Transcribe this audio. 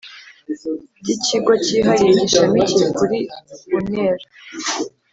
By ikigo cyihariye gishamikiye kuri unr